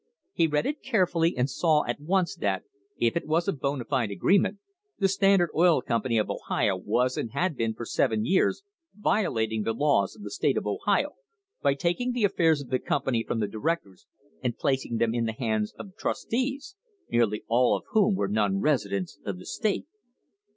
He read it carefully and saw at once that, if it was a bona fide agreement, the Standard Oil Company of Ohio was and had been for seven years violating the laws of the state of Ohio by taking the affairs of the company from the directors and placing them in the hands of trustees, nearly all of whom were non residents of the state.